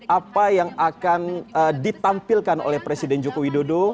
apa yang akan ditampilkan oleh presiden joko widodo